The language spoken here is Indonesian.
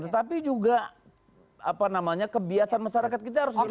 tetapi juga kebiasaan masyarakat kita harus berlebihan